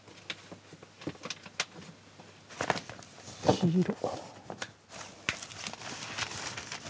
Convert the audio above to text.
黄色。